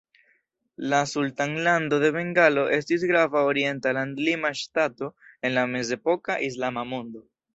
La Sultanlando de Bengalo estis grava orienta landlima ŝtato en la mezepoka Islama mondo.